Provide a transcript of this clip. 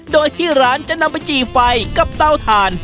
โดยที่ร้านจะนำไปจี่ไฟกับเตาถ่าน